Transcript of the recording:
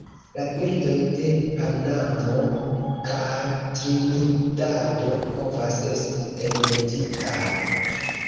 La birdoj de Panamo kaj Trinidado povas esti enmetitaj.